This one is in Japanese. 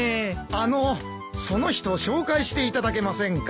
あのその人紹介していただけませんか？